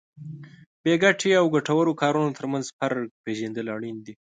بې ګټې او ګټورو کارونو ترمنځ فرق پېژندل اړین دي.